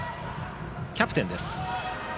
キャプテンです。